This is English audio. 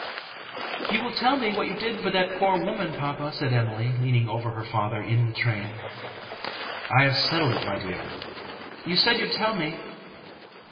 "You will tell me what you did for that poor woman, papa," said Emily, leaning over her father in the train. "I have settled it, my dear." "You said you'd tell me."